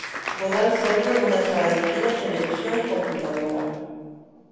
Podrán serlo una sala de cine, televisión y computadora.